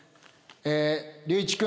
隆一君。